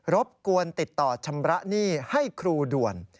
รบกวนติดต่อชำระหนี้ให้ครูด่วน